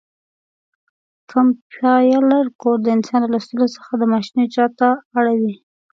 کمپایلر کوډ د انسان له لوستلو څخه د ماشین اجرا ته اړوي.